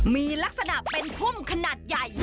มีลักษณะเป็นพุ่มขนาดใหญ่